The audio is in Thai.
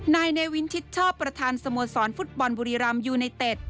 นายเนวินชิดชอบประธานสโมสรฟุตบอลบุรีรำยูไนเต็ด